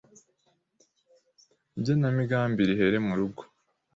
igenamigambi rihere mu rugo